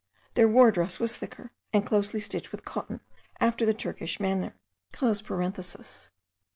Their war dress was thicker, and closely stitched with cotton after the Turkish manner.) Pet. Martyr, dec. 2 lib.